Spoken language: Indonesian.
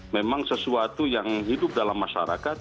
memang sesuatu yang hidup dalam masyarakat